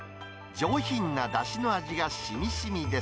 上品なだしの味がしみしみです。